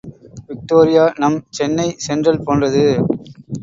Victoria நம் Chennai Central போன்றது.